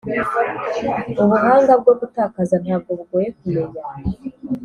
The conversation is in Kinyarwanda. ubuhanga bwo gutakaza ntabwo bugoye kumenya.